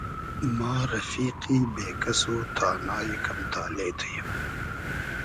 ما رئفیقی بې کئس و تانای کئم تالې تو ییم